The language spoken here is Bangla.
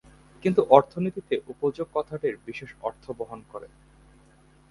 কিন্তু অর্থনীতিতে উপযোগ কথাটির বিশেষ অর্থ বহন করে।